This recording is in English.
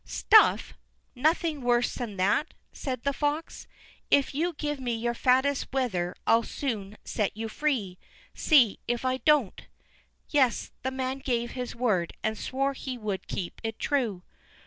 "Stuff! Nothing worse than that?" said the fox. "If you'll give me your fattest wether I'll soon set you free; see if I don't." Yes, the man gave his word, and swore he would keep it true.